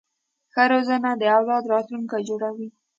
ښه روزنه د اولاد راتلونکی جوړوي.